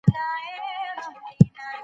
ستنې باید په تدریجي ډول کارول شي.